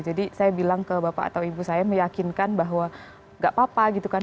jadi saya bilang ke bapak atau bu saya meyakinkan bahwa nggak apa apa gitu kan